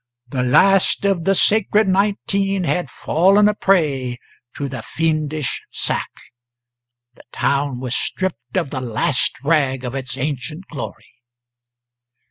The last of the sacred Nineteen had fallen a prey to the fiendish sack; the town was stripped of the last rag of its ancient glory.